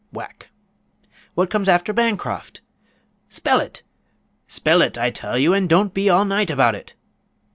(whack). What comes after Bancroft? Spell it! Spell it, I tell you, and don't be all night about it!